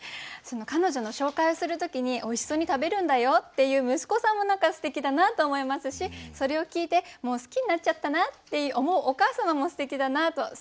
その彼女の紹介をする時に「おいしそうに食べるんだよ」って言う息子さんも何かすてきだなと思いますしそれを聞いて「もう好きになっちゃったな」って思うお母様もすてきだなと。